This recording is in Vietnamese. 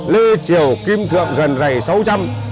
lê triều kim thượng gần rầy sáu trăm